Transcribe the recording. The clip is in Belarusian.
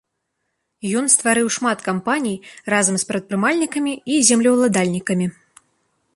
Ён стварыў шмат кампаній разам з прадпрымальнікамі і землеўладальнікамі.